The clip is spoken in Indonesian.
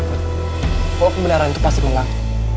kalau kebenaran itu pasti menang